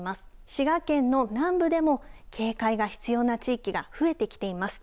滋賀県の南部でも警戒が必要な地域が増えてきています。